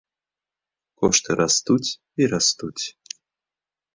Кошты растуць і растуць.